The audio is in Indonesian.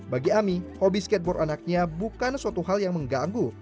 bagi ami hobi skateboard anaknya bukan suatu hal yang mengganggu